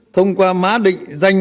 thông qua má định danh